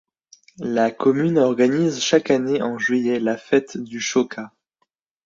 La commune organise chaque année en juillet la fête du choca.